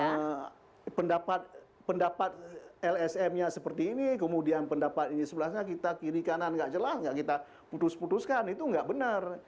ya pendapat lsm nya seperti ini kemudian pendapat ini sebelah kita kiri kanan gak jelas gak kita putus putuskan itu gak benar